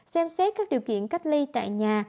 xem xét các điều kiện cách ly tại nhà